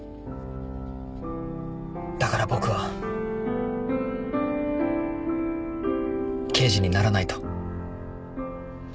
だから僕は刑事にならないと。